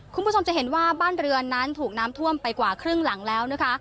คุณผู้ชมจะเห็นว่าบ้านเรือนนั้นถูกน้ำท่วมไปกว่าครึ่งหลังแล้วนะคะ